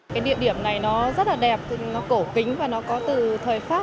cái địa điểm này nó rất là đẹp nó cổ kính và nó có từ thời pháp